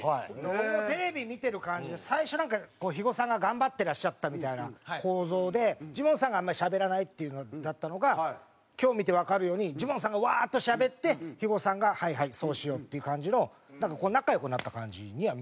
僕もテレビ見てる感じで最初なんか肥後さんが頑張ってらっしゃったみたいな構造でジモンさんがあんまりしゃべらないっていうのだったのが今日見てわかるようにジモンさんがワーッとしゃべって肥後さんがはいはいそうしようっていう感じのなんか仲良くなった感じには見えてますね。